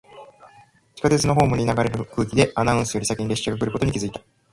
地下鉄のホームに流れる空気で、アナウンスより先に列車が来ることに気がついた。